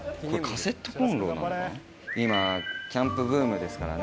今、キャンプブームですからね。